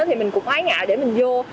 thì mình cũng ái ngạo để mình vô